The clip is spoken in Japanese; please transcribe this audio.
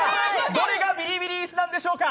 どれがビリビリ椅子でしょうか。